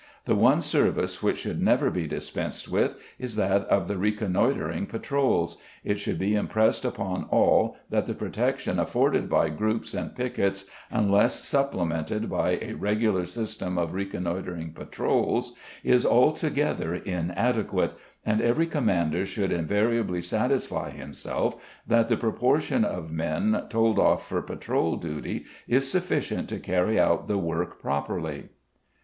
The one service which should never be dispensed with is that of the reconnoitring patrols. It should be impressed upon all that the protection afforded by groups and piquets, unless supplemented by a regular system of reconnoitring patrols, is altogether inadequate, and every commander should invariably satisfy himself that the proportion of men told off for patrol duty is sufficient to carry out the work properly.